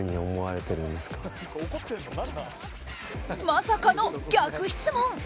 まさかの逆質問！